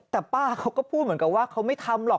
แต่ป้าเขาก็พูดเหมือนกับว่าเขาไม่ทำหรอก